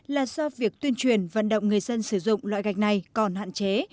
là do việc tuyên truyền vận động người dân sử dụng loại gạch này còn hạn chế